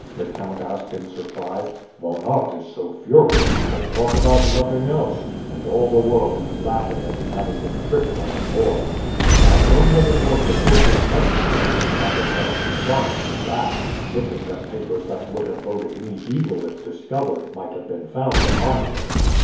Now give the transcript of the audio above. the count asked in surprise. "Von Aert is so furious he can talk about nothing else, and all the world is laughing at his having been tricked by a boy. Had I known that it was the prince's messenger I should not have felt inclined to laugh; thinking that papers, that would have boded me evil if discovered, might have been found upon him."